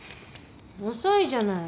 遅いじゃない。